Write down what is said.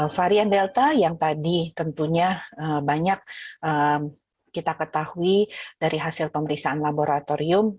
varian delta yang tadi tentunya banyak kita ketahui dari hasil pemeriksaan laboratorium